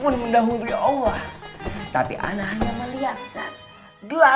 darah darah dari orang ini